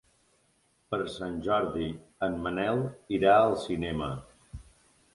Per Sant Jordi en Manel irà al cinema.